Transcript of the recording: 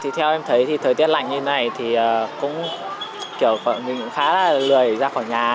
thì theo em thấy thì thời tiết lạnh như thế này thì cũng kiểu mình cũng khá là lười ra khỏi nhà